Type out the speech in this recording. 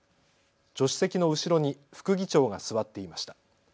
助手席の後ろに副議長が座っていました。